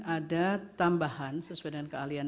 ada tambahan sesuai dengan keahlian